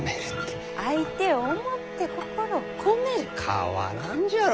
変わらんじゃろ。